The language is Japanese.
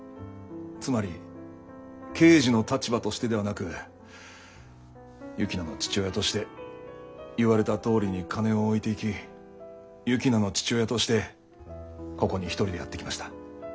つまり刑事の立場としてではなく雪菜の父親として言われたとおりに金を置いていき雪菜の父親としてここに一人でやって来ました。